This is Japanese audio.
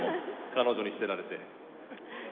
彼女に捨てられて。